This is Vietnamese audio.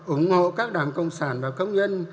ủng hộ các đảng công sản và công nhân